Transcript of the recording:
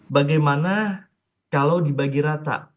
bagaimana kalau dibagi rata